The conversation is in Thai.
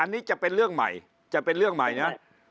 อันนี้จะเป็นเรื่องใหม่จะเป็นเรื่องใหม่นะ